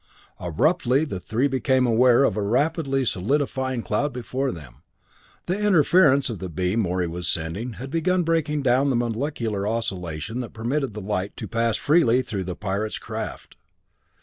Abruptly the three became aware of a rapidly solidifying cloud before them. The interference of the beam Morey was sending had begun breaking down the molecular oscillation that permitted the light to pass freely through the pirate's craft.